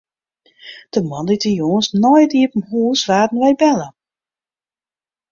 De moandeitejûns nei it iepen hûs waarden wy belle.